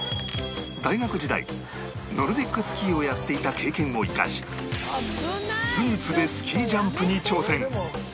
大学時代ノルディックスキーをやっていた経験を生かしスーツでスキージャンプに挑戦